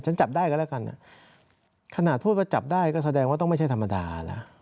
จับได้ก็แล้วกันขนาดพูดว่าจับได้ก็แสดงว่าต้องไม่ใช่ธรรมดาล่ะ